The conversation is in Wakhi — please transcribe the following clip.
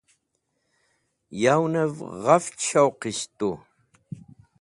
Yawẽnv ghafch showqisht tu.